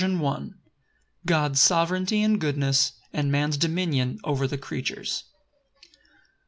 M. God's sovereignty and goodness; and man's dominion over the creatures.